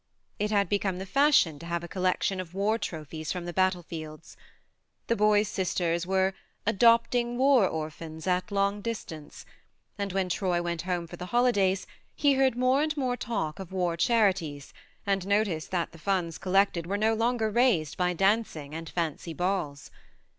It had become the fashion to have a collection of war trophies from the battlefields. The boys' sisters were "adopting war orphans " at long distance, and when Troy went home for the holidays he heard more and more talk of war charities, and noticed that the funds collected were no longer raised by dancing and fancy balls.